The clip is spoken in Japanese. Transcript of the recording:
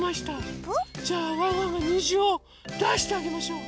じゃあワンワンがにじをだしてあげましょう。